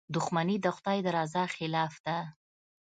• دښمني د خدای د رضا خلاف ده.